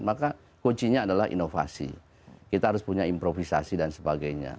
maka kuncinya adalah inovasi kita harus punya improvisasi dan sebagainya